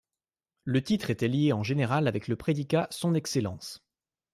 Le titre était lié en général avec le prédicat Son Excellence.